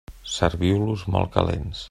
Serviu-los molt calents.